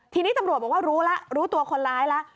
ทีนี้ตำรวจบอกว่ารู้แล้วรู้ตัวคนร้ายแล้ว